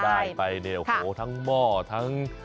ได้ไปในทั้งหม้อทั้ง